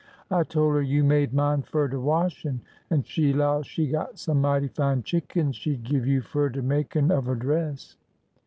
I tole her you made mine fur de washin', an' she 'low she got some mighty fine chickens she 'd give you fur de makin' of a dress."